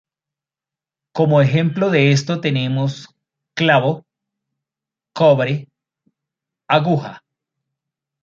Como ejemplo de esto tenemos 釘, ‘clavo’; 銅, ‘cobre’; 針, ‘aguja’.